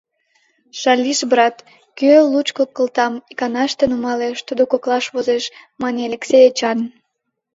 Шалиш, брат, кӧ лучко кылтам иканаште нумалеш, тудо коклаш возеш, — мане Элексей Эчан.